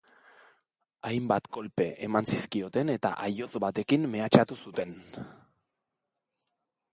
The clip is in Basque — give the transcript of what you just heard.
Hainbat kolpe eman zizkioten eta aihotz batekin mehatxatu zuten.